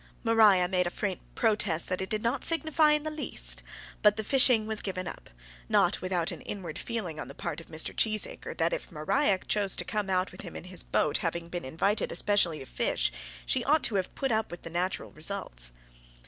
Maria made a faint protest that it did not signify in the least; but the fishing was given up, not without an inward feeling on the part of Mr. Cheesacre that if Maria chose to come out with him in his boat, having been invited especially to fish, she ought to have put up with the natural results.